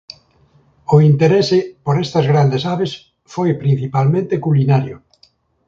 O interese por estas grandes aves foi principalmente culinario.